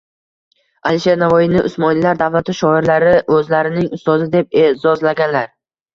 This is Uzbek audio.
Alisher Navoiyni Usmoniylar davlati shoirlari o‘zlarining ustozi deb e’zozlaganlar